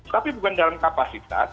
tapi bukan dalam kapasitas